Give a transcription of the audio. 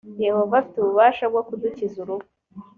yehova afite ububasha bwo kudukiza urupfu